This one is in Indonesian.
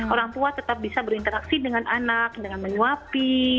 orang tua tetap bisa berinteraksi dengan anak dengan menyuapi